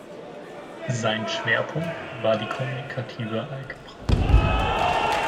Sein Schwerpunkt war die kommutative Algebra.